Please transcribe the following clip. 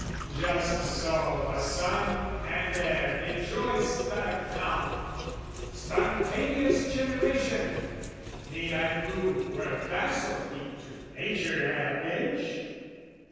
Just so a son and heir rejoiced the Count! Spontaneous generation, need I prove Were facile feat to Nature at a pinch?